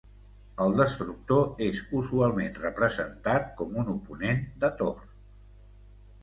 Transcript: El destructor és usualment representat com un oponent de Thor.